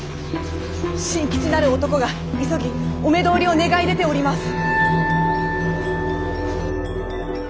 進吉なる男が急ぎお目通りを願い出ております。